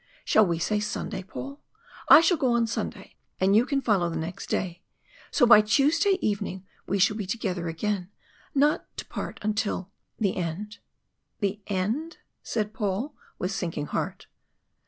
Shall we say Sunday, Paul? I shall go on Sunday, and you can follow the next day so by Tuesday evening we shall be together again, not to part until the end." "The end?" said Paul, with sinking heart.